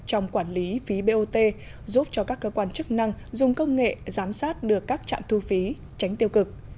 trong quản lý phí bot giúp cho các cơ quan chức năng dùng công nghệ giám sát được các trạm thu phí tránh tiêu cực